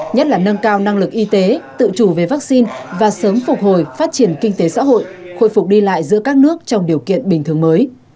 nhất là nâng cao năng lực y tế tự chủ về vaccine và sớm phục hồi phát triển kinh tế xã hội khôi phục đi lại giữa các nước trong điều kiện bình thường mới